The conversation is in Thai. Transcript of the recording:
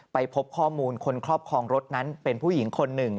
ไปพบข้อมูลคนครอบครองรถนั้นเป็นผู้หญิงคนหนึ่ง